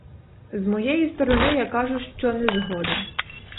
З моєї сторони я кажу, що не згода.